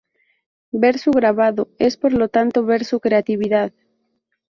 Ver su grabado, es por lo tanto ver su creatividad.